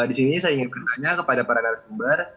di sini saya ingin bertanya kepada para narasumber